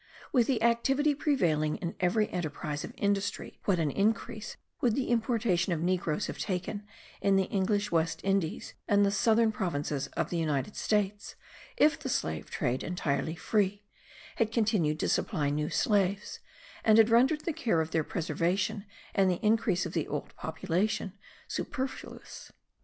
With the activity prevailing in every enterprise of industry, what an increase would the importation of negroes have taken in the English West Indies and the southern provinces of the United States if the slave trade, entirely free, had continued to supply new slaves, and had rendered the care of their preservation and the increase of the old population, superfluous?